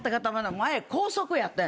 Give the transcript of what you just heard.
前高速やってん。